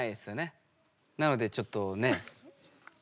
なのでちょっとね。